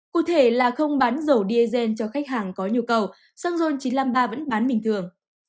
cụ thể là không bán dầu diesel cho khách hàng có nhu cầu xăng ron chín trăm năm mươi ba vẫn bán bình thường